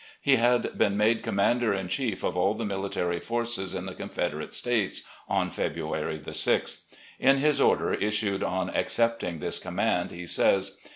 He had been made commander in chief of all the military forces in the Confederate States on February 6th. In his order issued on accepting this command he says